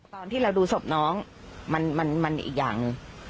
ตอนที่เราดูศพน้องมันอีกอย่างหนึ่ง